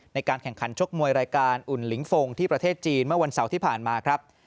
ในการแข่งขันชกมวยรายการอุ่นลิงฟงที่ประเทศจีนเมื่อวันเสาร์ที่ผ่านมาครับ